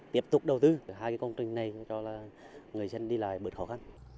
tiếp tục đầu tư hai công trình này cho là người dân đi lại bớt khó khăn